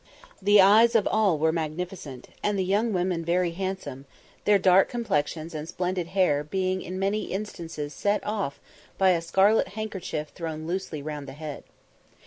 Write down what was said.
The eyes of all were magnificent, and the young women very handsome, their dark complexions and splendid hair being in many instances set off by a scarlet handkerchief thrown loosely round the head.